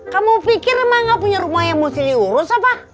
kamu pikir emang gak punya rumah yang mesti diurus apa